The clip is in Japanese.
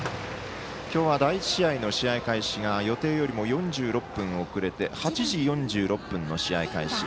今日は第１試合の試合開始が予定よりも４６分遅れて８時４６分の試合開始。